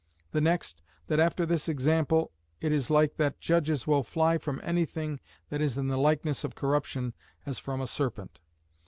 The next, that after this example it is like that judges will fly from anything that is in the likeness of corruption as from a serpent."